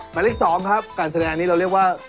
หมายเลข๒ครับการแสดงนี้เราเรียกว่า